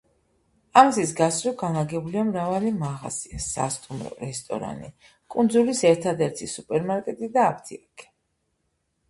ამ გზის გასწვრივ განლაგებულია მრავალი მაღაზია, სასტუმრო, რესტორანი, კუნძულის ერთადერთი სუპერმარკეტი და აფთიაქი.